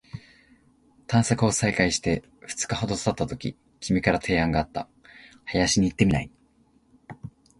探索を再開して二日ほど経ったとき、君から提案があった。「林に行ってみない？」